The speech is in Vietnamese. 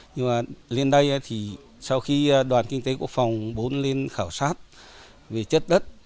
nhưng mà lên đây thì sau khi đoàn kinh tế quốc phòng bốn lên khảo sát về chất đất